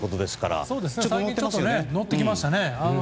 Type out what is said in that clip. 最近ちょっと乗ってきましたね。